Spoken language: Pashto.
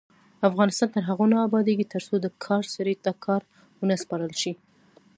افغانستان تر هغو نه ابادیږي، ترڅو د کار سړي ته کار ونه سپارل شي.